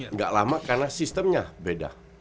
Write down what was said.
nggak lama karena sistemnya beda